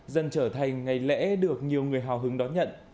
dần trở thành ngày lễ được nhiều người hào hứng đón nhận